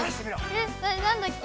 えっ何だっけ？